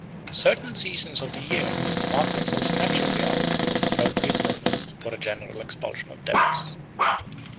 Certain seasons of the year mark themselves naturally out as appropriate moments for a general expulsion of devils.